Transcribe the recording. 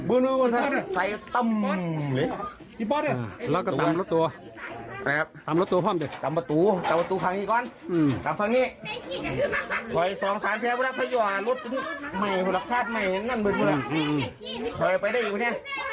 อืมเคยมาได้อยู่เนี่ย